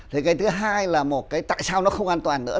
thì cái thứ hai là một cái tại sao nó không an toàn nữa